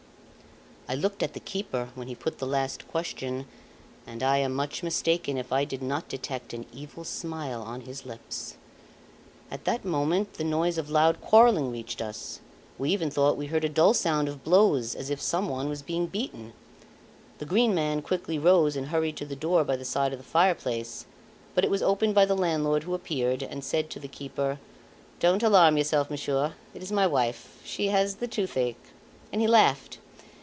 I looked at the keeper when he put the last question, and I am much mistaken if I did not detect an evil smile on his lips. At that moment, the noise of loud quarrelling reached us. We even thought we heard a dull sound of blows, as if some one was being beaten. The Green Man quickly rose and hurried to the door by the side of the fireplace; but it was opened by the landlord who appeared, and said to the keeper: "Don't alarm yourself, Monsieur it is my wife; she has the toothache." And he laughed.